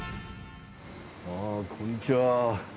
ああこんにちは。